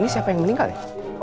ini siapa yang meninggal ya